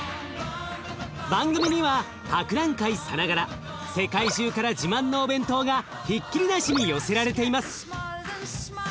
番組には博覧会さながら世界中から自慢のお弁当がひっきりなしに寄せられています。